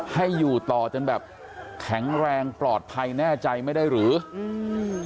ให้อยู่ต่อจนแบบแข็งแรงปลอดภัยแน่ใจไม่ได้หรืออืม